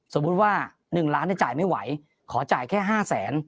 สมมุติว่า๑ล้านจ่ายไม่ไหวขอจ่ายแค่๕แสน